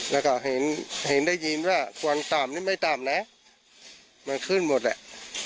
แล้วก็เห็นเห็นได้ยินว่าความต่ำนี่ไม่ต่ำนะมันขึ้นหมดแหละ